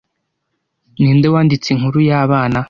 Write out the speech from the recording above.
Ninde wanditse inkuru y'abana